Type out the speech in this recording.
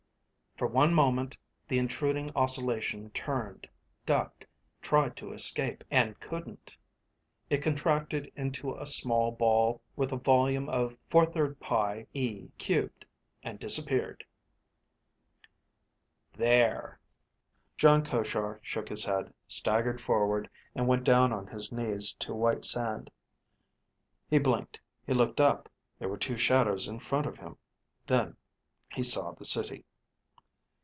_) For one moment, the intruding oscillation turned, ducked, tried to escape, and couldn't. It contracted into a small ball with a volume of 4/3pi_e_^, and disappeared. There.... Jon Koshar shook his head, staggered forward, and went down on his knees in white sand. He blinked. He looked up. There were two shadows in front of him. Then he saw the city.